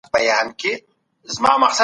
احمد پرون یو نوی کتاب واخیستی.